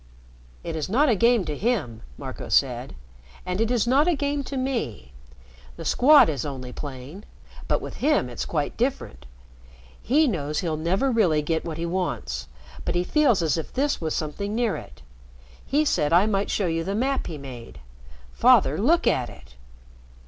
"It is not a game to him," Marco said. "And it is not a game to me. The Squad is only playing, but with him it's quite different. He knows he'll never really get what he wants, but he feels as if this was something near it. He said I might show you the map he made. Father, look at it."